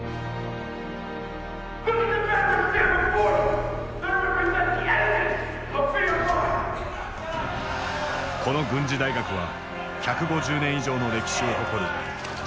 この軍事大学は１５０年以上の歴史を誇る州立の男子校だった。